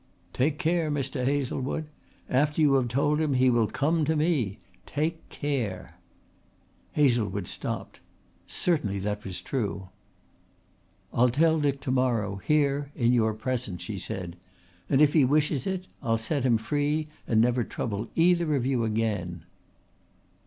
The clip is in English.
"Take care, Mr. Hazlewood. After you have told him he will come to me. Take care!" Hazlewood stopped. Certainly that was true. "I'll tell Dick to morrow, here, in your presence," she said. "And if he wishes it I'll set him free and never trouble either of you again."